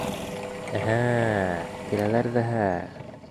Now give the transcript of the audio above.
— Ә-әһә, киләләр ҙәһә.